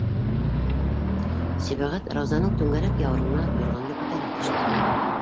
- Сибәғәт Раузаның түңәрәк яурынына юрғанды күтәрә төштө.